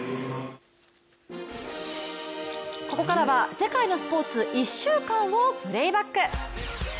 ここからは世界のスポーツ１週間をプレイバック。